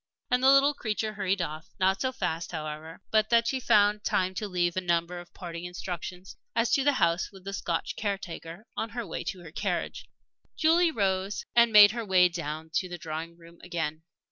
And the little creature hurried off; not so fast, however, but that she found time to leave a number of parting instructions as to the house with the Scotch caretaker, on her way to her carriage. Julie rose and made her way down to the drawing room again.